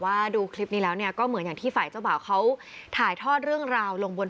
ว่าดูคลิปนี้แล้วเนี่ยก็เหมือนอย่างที่ฝ่ายเจ้าบ่าวเขาถ่ายทอดเรื่องราวลงบน